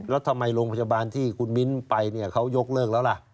แล้วทำไมโรงพยาบาลที่คุณมิ้นไปเนี่ยเขายกเลิกแล้วล่ะ